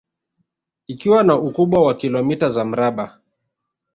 Ikiwa na ukubwa wa kilomita za mraba